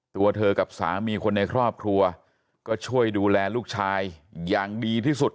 ตัวเธอกับสามีคนในครอบครัวก็ช่วยดูแลลูกชายอย่างดีที่สุด